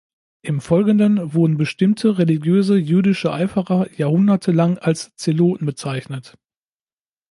Im Folgenden wurden bestimmte religiöse jüdische Eiferer jahrhundertelang als „Zeloten“ bezeichnet.